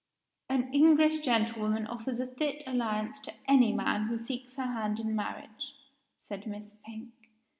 "An English gentlewoman offers a fit alliance to any man living who seeks her hand in marriage," said Miss Pink.